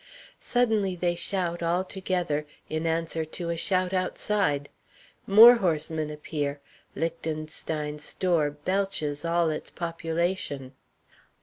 Suddenly they shout, all together, in answer to a shout outside. More horsemen appear. Lichtenstein's store belches all its population.